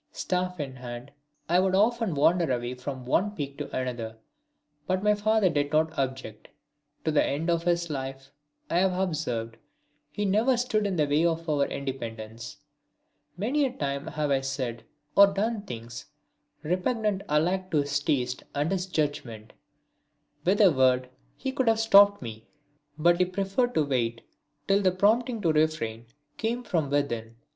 Staff in hand I would often wander away from one peak to another, but my father did not object. To the end of his life, I have observed, he never stood in the way of our independence. Many a time have I said or done things repugnant alike to his taste and his judgment; with a word he could have stopped me; but he preferred to wait till the prompting to refrain came from within.